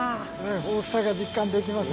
大きさが実感できますね。